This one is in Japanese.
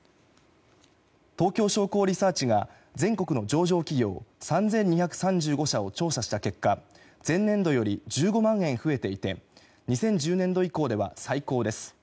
東京商工リサーチが全国の上場企業３２３５社を調査した結果前年度より１５万円増えていて２０１０年度以降では最高です。